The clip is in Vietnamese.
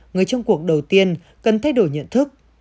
người trong cuộc đầu tiên cần thay đổi nhận thức